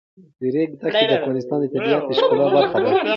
د ریګ دښتې د افغانستان د طبیعت د ښکلا برخه ده.